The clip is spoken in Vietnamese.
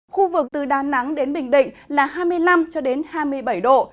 khu vực từ đà nẵng đến bình định là hai mươi năm hai mươi bảy độ